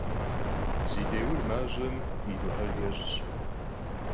Zi dêur maş'em yi duher ç'eş'ş.